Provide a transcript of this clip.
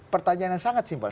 pertanyaan yang sangat simpel